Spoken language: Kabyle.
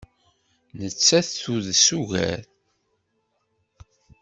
Nettat tudes ugar.